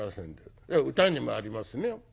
歌にもありますね。